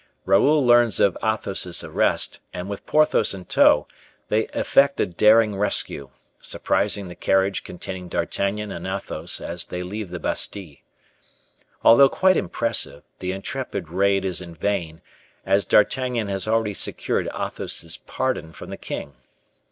Raoul learns of Athos's arrest, and with Porthos in tow, they effect a daring rescue, surprising the carriage containing D'Artagnan and Athos as they leave the Bastile. Although quite impressive, the intrepid raid is in vain, as D'Artagnan has already secured Athos's pardon from the king.